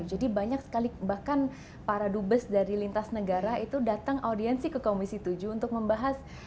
jadi banyak sekali bahkan para dubes dari lintas negara itu datang audiensi ke komisi tujuh untuk membahas